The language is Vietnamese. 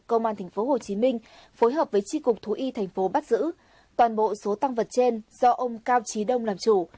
công an tp hcm phối hợp với tri cục thú y thành phố bắt giữ toàn bộ số tăng vật trên do ông cao trí đông làm chủ